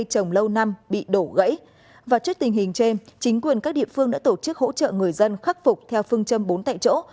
trước tình hình trên chính quyền các địa phương đã tổ chức hỗ trợ người dân khắc phục theo phương châm bốn tại chỗ